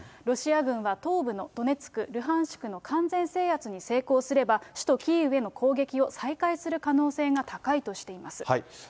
ロシア軍は東部のドネツク、ルハンシクの完全制圧に成功すれば、首都キーウへの攻撃を再開する可能性が高いとしています。